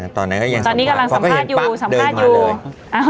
ตอนนี้กำลังสัมภาษณ์อยู่